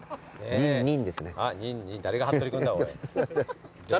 ニンニン。